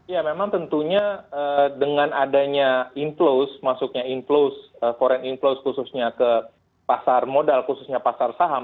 ya memang tentunya dengan adanya inflows masuknya inflows foreign inflows khususnya ke pasar modal khususnya pasar saham